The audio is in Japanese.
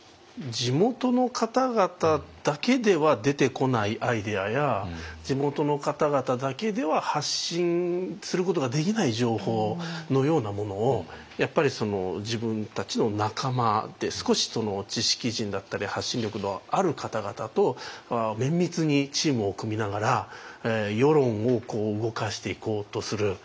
地元の方々だけでは出てこないアイデアや地元の方々だけでは発信することができない情報のようなものをやっぱり自分たちの仲間で少し知識人だったり発信力のある方々と綿密にチームを組みながら世論を動かしていこうとする。